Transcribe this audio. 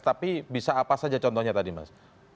tapi bisa apa saja contohnya tadi mas